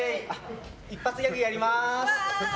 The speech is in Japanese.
一発ギャグやります！